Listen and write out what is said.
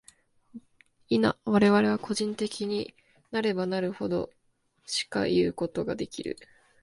否、我々は個人的なればなるほど、しかいうことができる。